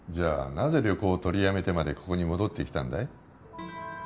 なぜ旅行を取りやめてまでここに戻ってきたんだい？